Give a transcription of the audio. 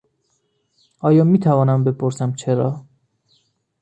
آیا میتوانم بپرسم چرا؟